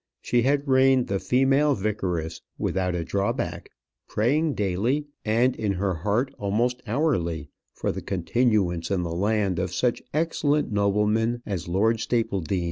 She had reigned the female vicaress, without a drawback, praying daily, and in her heart almost hourly, for the continuance in the land of such excellent noblemen as Lord Stapledean.